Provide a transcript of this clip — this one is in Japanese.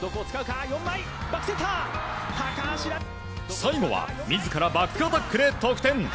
最後は自らバックアタックで得点。